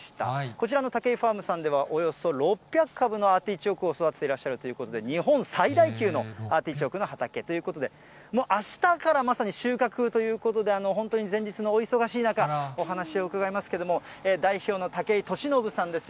こちらのタケイファームさんでは、およそ６００株のアーティチョークを育てていらっしゃるということで、日本最大級のアーティチョークの畑ということで、もうあしたからまさに収穫ということで、本当に前日のお忙しい中、お話を伺いますけれども、代表の武井敏信さんです。